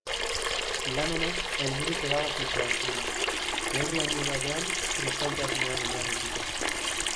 Lan honek helburu pedagogikoa zuen, neurri handi batean kristautasunean oinarrituta.